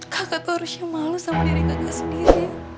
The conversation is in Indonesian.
kakak tuh harusnya malu sama diri kakak sendiri